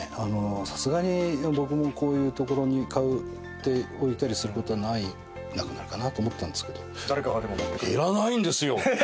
さすがに僕もこういう所に買って置いたりすることはなくなるかなと思ったんですけど。